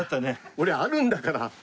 俺あるんだから。